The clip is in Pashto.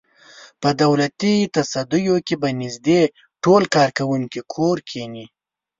په دولتي تصدیو کې به نږدې ټول کارکوونکي کور کېني.